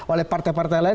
oleh partai partai lain